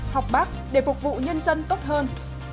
học bác để phục vụ nhân dân tốt hơn